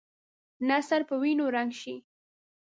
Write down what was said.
نه سر په وینو رنګ شي.